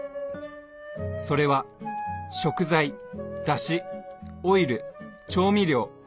それは食材だしオイル調味料。